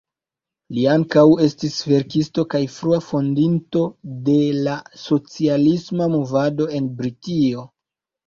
Li ankaŭ estis verkisto kaj frua fondinto de la socialisma movado en Britio.